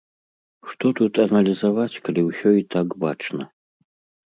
Што тут аналізаваць, калі ўсё і так бачна.